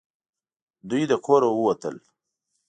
دوی د کوره ووتل .